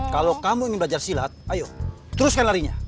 kalau kamu ingin belajar silat ayo teruskan larinya